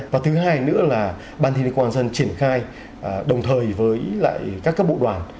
và thứ hai nữa là ban thiên hệ công an dân triển khai đồng thời với lại các các bộ đoàn